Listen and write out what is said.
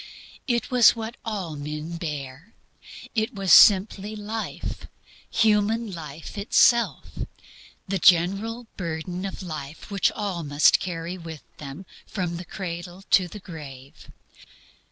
It was what all men bear. It was simply life, human life itself, the general burden of life which all must carry with them from the cradle to the grave.